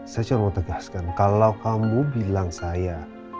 saya cuma mau tegaskan kalau kamu bilang saya